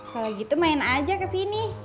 kalau gitu main aja ke sini